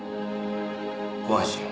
ご安心を。